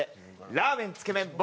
ラーメンつけ麺僕